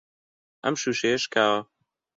ئەم شووشەیە شکاوە.